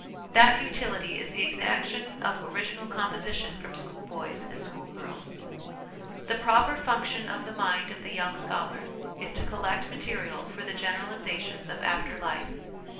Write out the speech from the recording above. That futility is the exac tion of original composition from schoolboys and schoolgirls. The proper function of the mind of the young scholar is to collect material for the general isations of after life.